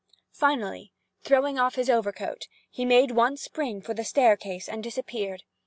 Finally, throwing off his overcoat, he made one spring for the staircase and disappeared.